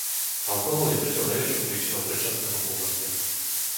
Alkohol je treťou najväčšou príčinou predčasného úmrtia.